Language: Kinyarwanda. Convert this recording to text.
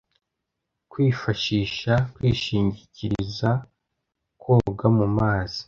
Kwifashisha kwishingikirizakoga mumazi